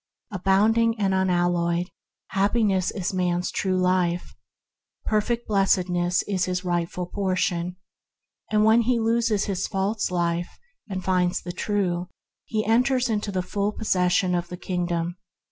Abounding and unalloyed Happiness is man's true life; perfect Blessedness is his rightful portion; and when he loses his false life and finds the true he enters into the full possession of his Kingdom.